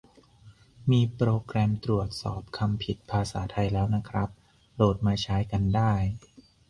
มีโปรแกรมตรวจสอบคำผิดภาษาไทยแล้วนะครับ โหลดมาใช้กันได้